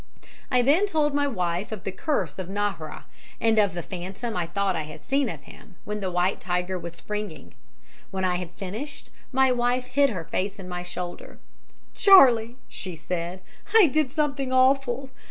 "I then told my wife of the curse of Nahra, and of the phantom I thought I had seen of him, when the white tiger was springing. When I had finished, my wife hid her face in my shoulder. "'Charlie!' she said, 'I did something awful.